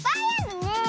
うん。